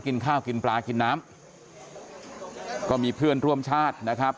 กินข้าวกินปลากินน้ำก็มีเพื่อนร่วมชาตินะครับ